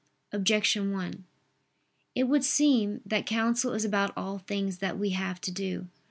Objection 1: It would seem that counsel is about all things that we have to do.